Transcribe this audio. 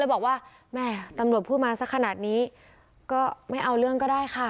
บอกว่าแม่ตำรวจพูดมาสักขนาดนี้ก็ไม่เอาเรื่องก็ได้ค่ะ